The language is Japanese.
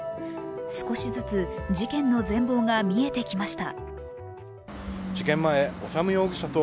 少しずつ事件の全貌が見えてきました。